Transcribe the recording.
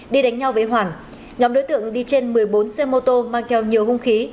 đi đánh nhau với hoàng nhóm đối tượng đi trên một mươi bốn xe mô tô mang theo nhiều hung khí